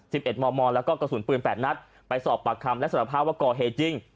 สิบเอ็ดมอมอแล้วก็กระสุนปืนแปดนัดไปสอบปากคำและสารภาพว่าก่อเหตุจริง